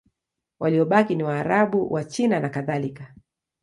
Waliobaki ni Waarabu, Wachina nakadhalika.